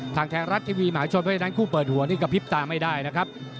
ทางไทยรัฐทีวีมหาชนเพราะฉะนั้นคู่เปิดหัวนี่กระพริบตาไม่ได้นะครับ